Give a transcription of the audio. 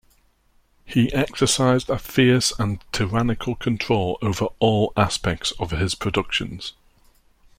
He exercised a fierce and tyrannical control over all aspects of his productions.